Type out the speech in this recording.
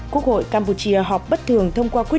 quốc hội campuchia họp bất thường thông qua quy định